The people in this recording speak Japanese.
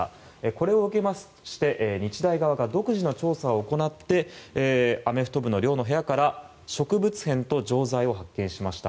これを受けまして日大側が独自の調査を行ってアメフト部の寮の部屋から植物片と錠剤を発見しました。